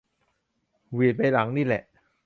หวีดใบหลังนี่แหละ